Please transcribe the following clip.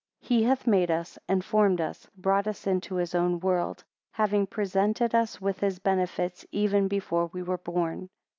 40 He hath made us, and formed us, brought us into his own world; having presented us with his benefits, even before we were born.